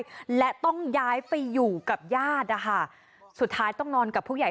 เพราะตอนนี้มันอยู่บนร้านหูตอนนี้ไม่ได้